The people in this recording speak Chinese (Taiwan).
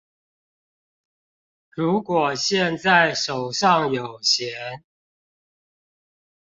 如果現在手上有閒